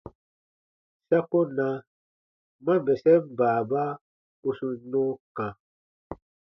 Sa ko na ma bɛsɛn baaba u sun nɔɔ kã.